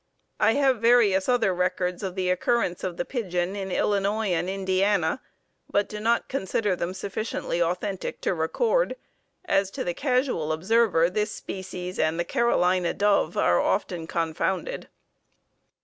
I have various other records of the occurrence of the pigeon in Illinois and Indiana, but do not consider them sufficiently authentic to record, as to the casual observer this species and the Carolina dove are often confounded.